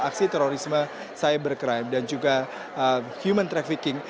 aksi terorisme cybercrime dan juga human trafficking